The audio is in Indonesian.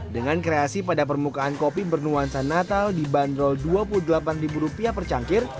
dengan kreasi pada permukaan kopi bernuansa natal dibanderol rp dua puluh delapan per cangkir